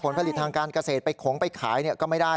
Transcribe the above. ผลิตทางการเกษตรไปขงไปขายก็ไม่ได้